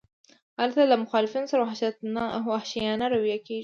هلته له مخالفانو سره وحشیانه رویه کیږي.